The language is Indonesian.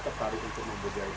kalau soka ada bibit bibit yang sti